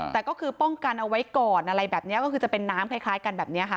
แต่ก็คือป้องกันเอาไว้ก่อนอะไรแบบนี้ก็คือจะเป็นน้ำคล้ายกันแบบนี้ค่ะ